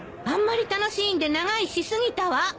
あんまり楽しいんで長居し過ぎたわ。